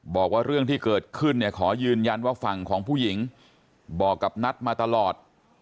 บอกว่าเรื่องที่เกิดขึ้นเนี่ยขอยืนยันว่าฝั่งของผู้หญิงบอกกับนัทมาตลอด